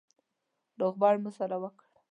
روغبړ مو سره وکړ.